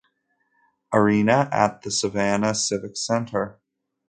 Arena at the Savannah Civic Center.